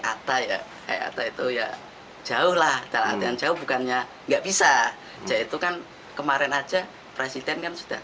atta ya itu ya jauhlah dan jauh bukannya nggak bisa jaitukan kemarin aja presiden kan sudah